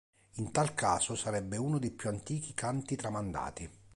In tal caso sarebbe uno dei più antichi canti tramandati.